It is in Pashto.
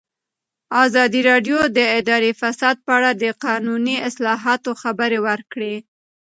ازادي راډیو د اداري فساد په اړه د قانوني اصلاحاتو خبر ورکړی.